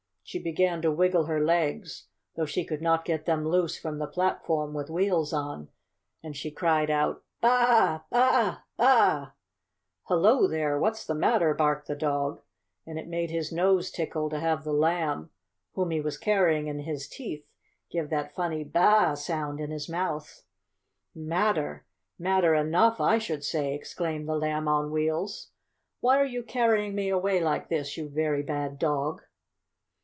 She began to wiggle her legs, though she could not get them loose from the platform with wheels on, and she cried out: "Baa! Baa! Baa!" "Hello there! what's the matter?" barked the dog, and it made his nose tickle to have the Lamb, whom he was carrying in his teeth, give that funny Baa! sound in his mouth. "Matter? Matter enough I should say!" exclaimed the Lamb on Wheels. "Why are you carrying me away like this, you very bad dog?"